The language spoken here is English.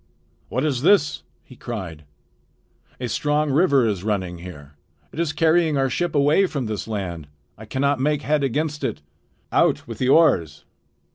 "What is this?" he cried. "A strong river is running here. It is carrying our ship away from this land. I cannot make head against it. Out with the oars!"